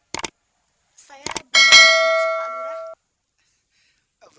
saya ada satu hal yang suka murah